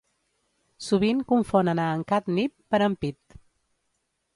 Sovint confonen a en Kat Nipp per en Pete.